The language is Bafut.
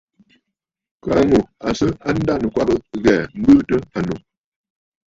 Kaa ŋù à sɨ a ndanɨ̀kwabə̀ ghɛ̀ɛ̀ m̀bɨɨ tɨ ànnù.